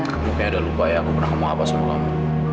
kamu kayak ada lupa ya aku pernah ngomong apa selama lama